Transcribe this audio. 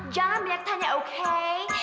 jangan biar tanya okay